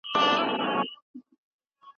استاد شاګرد ته د موضوع په اړه پوره معلومات ورکړل.